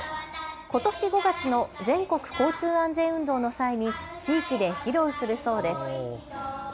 ことし５月の全国交通安全運動の際に地域で披露するそうです。